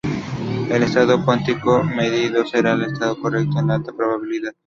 El estado cuántico medido será el estado correcto con alta probabilidad.